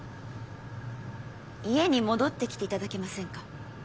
家に戻ってきていただけませんか？